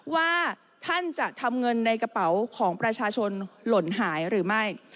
ว่าท่านจะทำเงินในกระเป๋าของประชาชนหล่นหายหรือไม่